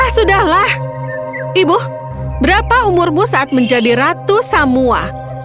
sudahlah ibu berapa umurmu saat menjadi ratu samua